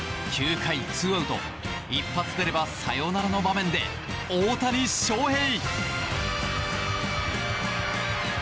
９回２アウト一発出ればサヨナラの場面で大谷翔平。